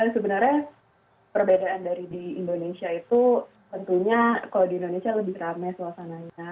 sebenarnya perbedaan dari di indonesia itu tentunya kalau di indonesia lebih rame suasananya